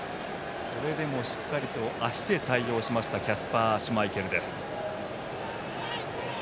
それでも、しっかりと足で対応しましたキャスパー・シュマイケルです。